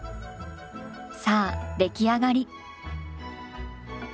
さあ出来上がり。